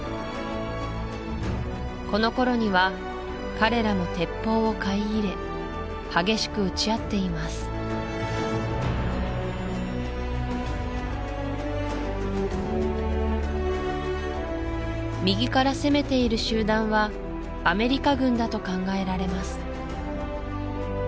この頃には彼らも鉄砲を買い入れ激しく撃ち合っています右から攻めている集団はアメリカ軍だと考えられます